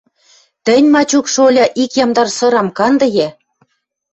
Тӹнь, Мачук шольы, ик ямдар сырам канды йӓ